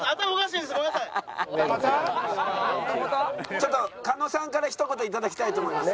ちょっと狩野さんからひと言頂きたいと思います。